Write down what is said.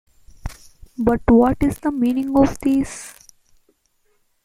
But what is the meaning of this?